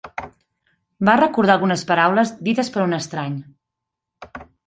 Va recordar algunes paraules dites per un estrany.